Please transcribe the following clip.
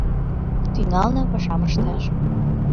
Тӱҥална пашам ышташ.